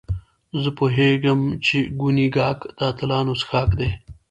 زه پوهېږم چې کونیګاک د اتلانو څښاک دی.